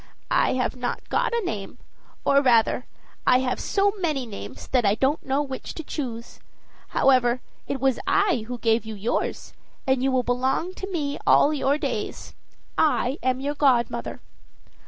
"I have not got a name or, rather, I have so many names that I don't know which to choose. However, it was I who gave you yours, and you will belong to me all your days. I am your godmother."